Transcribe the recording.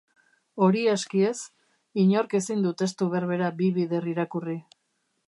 Hori aski ez, inork ezin du testu berbera bi bider irakurri.